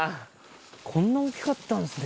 こんなに大きかったんですね。